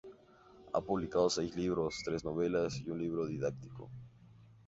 Ha publicado seis libros de cuentos, tres novelas y un libro didáctico.